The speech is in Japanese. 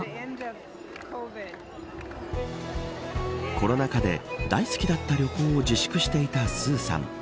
コロナ禍で大好きだった旅行を自粛していたスーさん。